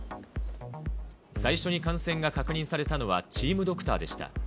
最初に感染が確認されたのはチームドクターでした。